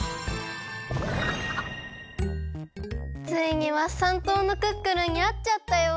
ついにワッサン島のクックルンにあっちゃったよ。